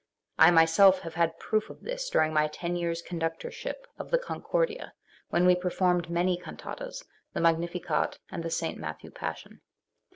I myself have had proof of this during my ten years' conduct orship of the "Con~ cordia", when we performed many cantatas, the Magnificat and the St. Matthew Passion.